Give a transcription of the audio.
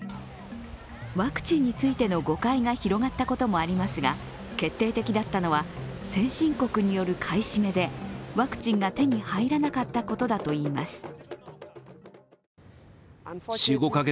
ワクチンについての誤解が広がったこともありますが、決定的だったのは、先進国による買い占めでワクチンが手に入らなかったことだといいます。